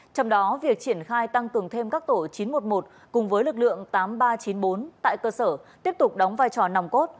trong đó việc triển khai tăng cường thêm các tổ chín trăm một mươi một cùng với lực lượng tám nghìn ba trăm chín mươi bốn tại cơ sở tiếp tục đóng vai trò nòng cốt